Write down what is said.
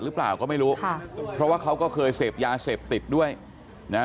หรือเปล่าก็ไม่รู้ค่ะเพราะว่าเขาก็เคยเสพยาเสพติดด้วยนะ